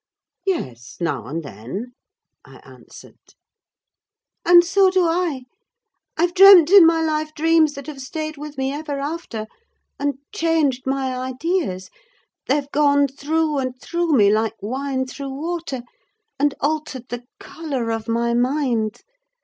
"Yes, now and then," I answered. "And so do I. I've dreamt in my life dreams that have stayed with me ever after, and changed my ideas: they've gone through and through me, like wine through water, and altered the colour of my mind.